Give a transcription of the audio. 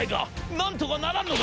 なんとかならんのか！』。